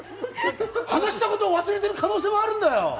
話したこと忘れてる可能性もあるんだよ！